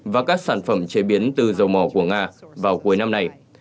và các sản phẩm chế biến từ dầu mỏ của nga vào cuối năm nay